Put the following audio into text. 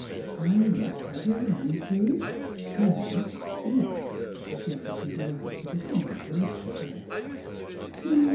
I must have your hand, please — no, the left," as she offered him the right with a somewhat reluctant air.